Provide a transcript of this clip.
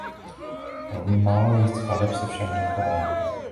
Velmi málo jejích skladeb se však dochovalo.